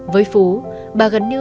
với phú bà gần như đã đứt liên lạc